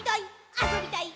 あそびたい！」